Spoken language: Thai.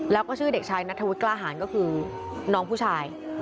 แล้วก็ชื่อเด็กชายนัทธวุฒิกล้าหารก็คือน้องผู้ชาย